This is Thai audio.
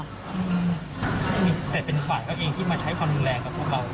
แต่เป็นฝ่ายเขาเองที่มาใช้ความรุนแรงกับพวกเรา